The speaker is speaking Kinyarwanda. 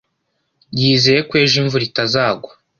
yizeye ko ejo imvura itazagwa.